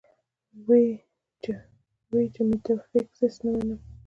وې ئې چې ميټافزکس نۀ منم -